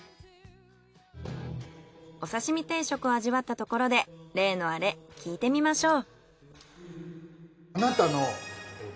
お刺身定食を味わったところで例のアレ聞いてみましょう。